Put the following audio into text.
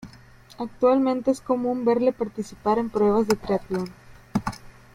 Actualmente es común verle participar en pruebas de triatlón.